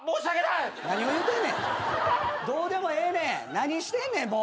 何してんねんもう。